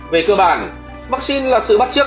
về cơ bản vaccine là sự bắt trước